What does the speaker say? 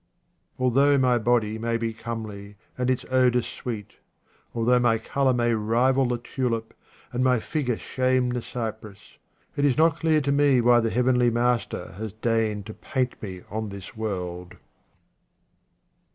Although my body may be comely, and its odour sweet, although my colour may rival the tulip, and my figure shame the cypress, it is 17 B QUATRAINS OF OMAR KHAYYAM not clear to me why the heavenly Master has deigned to paint me on this world.